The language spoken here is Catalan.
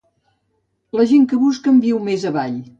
La gent que busquen viu més avall.